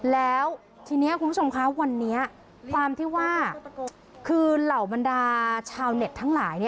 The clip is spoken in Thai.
แล้วทีนี้คุณผู้ชมคะวันนี้ความที่ว่าคือเหล่าบรรดาชาวเน็ตทั้งหลาย